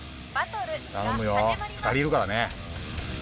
頼むよ２人いるからね。